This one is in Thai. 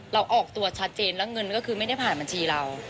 ออกตัวชัดเจนแล้วเงินก็คือไม่ได้ผ่านบัญชีเรา